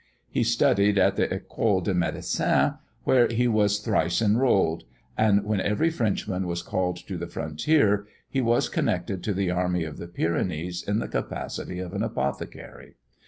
He studied in the Ecole de Medécine, where he was thrice enrolled; and when every Frenchman was called to the frontier, he was connected to the army of the Pyrenees in the capacity of an apothecary.